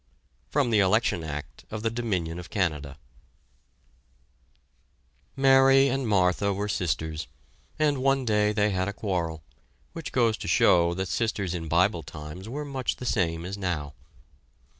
From the Election Act of the Dominion of Canada. Mary and Martha were sisters, and one day they had a quarrel, which goes to show that sisters in Bible times were much the same as now.